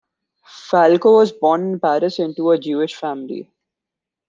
Falco was born in Paris into a Jewish family.